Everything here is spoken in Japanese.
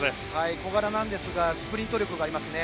小柄なんですがスプリント力がありますね。